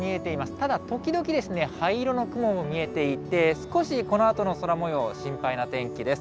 ただ、時々ですね、灰色の雲も見えていて、少しこのあとの空もよう、心配な天気です。